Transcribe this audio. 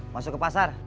masuk ke pasar